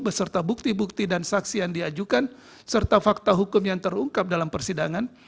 beserta bukti bukti dan saksi yang diajukan serta fakta hukum yang terungkap dalam persidangan